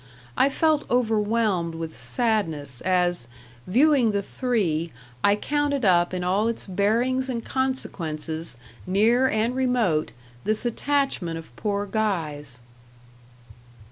I felt overwhelmed with sadness, as, viewing the three, I counted up in all its bearings and consequences, near and remote, this attachment of poor Guy's.